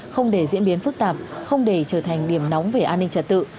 không để diễn biến phức tạp không để trở thành điểm nóng về an ninh trật tự